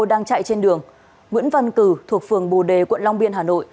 đang chạy trên đường nguyễn văn cử thuộc phường bù đề quận long biên hà nội